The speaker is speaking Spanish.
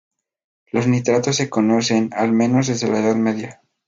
Los nitratos se conocen al menos desde la Edad Media.